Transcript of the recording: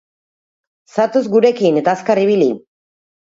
Zatoz gurekin eta azkar ibili!